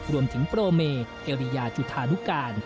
รวมถึงโปรเมเอริยาจุธานุการ